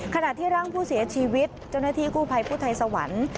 ขณะที่ร่างผู้เสียชีวิตเจ้าหน้าที่กู้ภัยผู้ไทยสวรรค์